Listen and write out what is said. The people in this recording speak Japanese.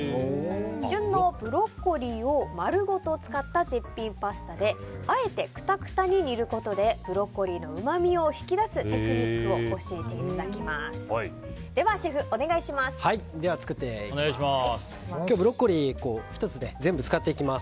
旬のブロッコリーを丸ごと使った絶品パスタであえて、くたくたに煮ることでブロッコリーのうまみを引き出すテクニックを教えていただきます。